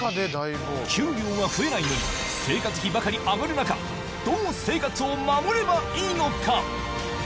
給料は増えないのに、生活費ばかり上がる中、どう生活を守ればいいのか。